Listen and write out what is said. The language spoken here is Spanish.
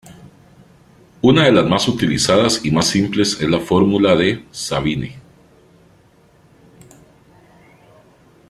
Una de las más utilizadas y más simples es la fórmula de Sabine.